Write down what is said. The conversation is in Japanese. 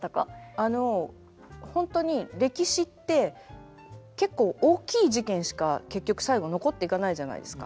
あの本当に歴史って結構大きい事件しか結局最後残っていかないじゃないですか。